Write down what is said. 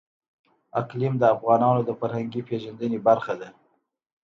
اقلیم د افغانانو د فرهنګي پیژندنې برخه ده.